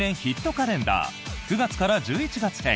カレンダー９月から１１月編。